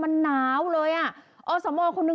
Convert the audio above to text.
มันหนาวเลยเนี่ย